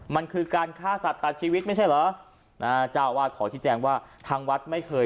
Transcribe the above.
มันคือการฆ่าสัตว์ตลทีวิทย์ไม่ใช่หรอจะว่าขอที่แจงว่าทางวัฒน์ไม่เคย